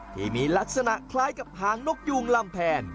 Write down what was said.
ที่มีลักษณะคล้ายกับหางนกยูงลำแพน